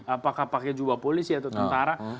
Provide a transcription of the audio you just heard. apakah pakai jubah polisi atau tentara